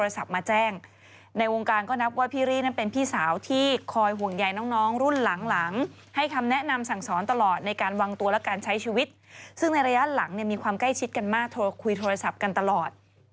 ซึ่งในระยะหลังมีความใกล้ชิดกันมากคุยโทรศัพท์กันตลอด